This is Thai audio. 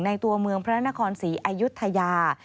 ตัวเมืองพระนครศรีอายุทยา